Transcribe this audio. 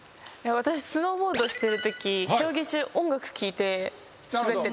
私スノーボードしてるとき競技中音楽聴いて滑ってて。